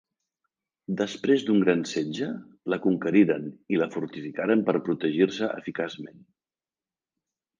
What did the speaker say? Després d'un gran setge, la conqueriren i la fortificaren per protegir-se eficaçment.